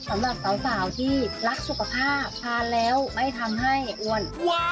สำหรับสาวที่รักสุขภาพทานแล้วไม่ทำให้อ้วน